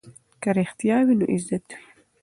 که رښتیا وي نو عزت وي.